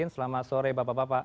selamat sore bapak bapak